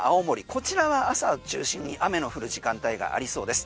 こちらは朝中心に雨の降る時間帯がありそうです。